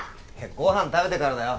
ご飯食べてからだよ